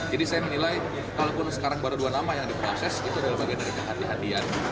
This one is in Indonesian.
jadi saya menilai kalaupun sekarang baru dua nama yang diproses itu adalah bagian dari kehatian kehatian